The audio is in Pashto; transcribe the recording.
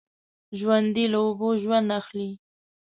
ژوندي له اوبو ژوند اخلي